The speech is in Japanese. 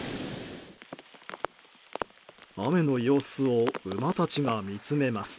雨の様子を馬たちが見つめます。